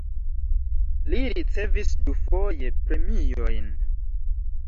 Li ricevis dufoje premiojn.